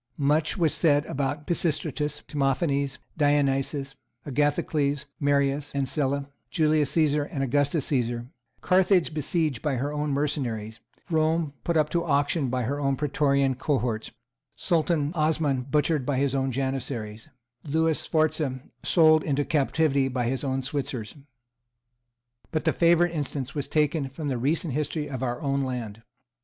Much was said about Pisistratus, Timophanes, Dionysius, Agathocles, Marius and Sylla, Julius Caesar and Augustus Caesar, Carthage besieged by her own mercenaries, Rome put up to auction by her own Praetorian cohorts, Sultan Osman butchered by his own Janissaries, Lewis Sforza sold into captivity by his own Switzers. But the favourite instance was taken from the recent history of our own land.